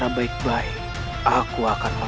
ayuh cepat antarkan aku